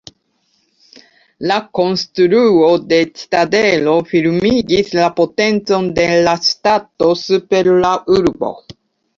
La konstruo de citadelo firmigis la potencon de la ŝtato super la urbo.